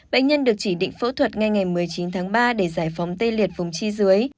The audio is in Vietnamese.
bệnh nhân được chỉ định phẫu thuật ngay ngày một mươi chín tháng ba để giải phóng tê liệt vùng chi dưới